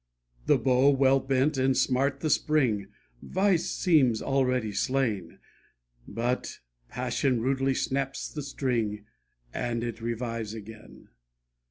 The bow well bent, and smart the spring, Vice seems already slain; But Passion rudely snaps the string, And it revives again.